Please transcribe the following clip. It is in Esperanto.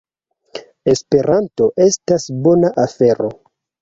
Esperanto estas bona afero!